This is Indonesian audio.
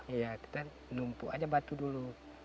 iya kita numpuk aja batu dulu